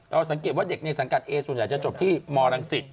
สังเกตว่าเด็กในสังกัดเอส่วนใหญ่จะจบที่มรังสิต